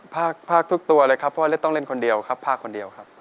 ภาคทุกตัวเลยครับเพราะว่าเล่นต้องเล่นคนเดียวครับภาคคนเดียวครับ